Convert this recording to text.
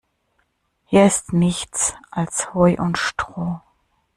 Hier ist nichts als Heu und Stroh.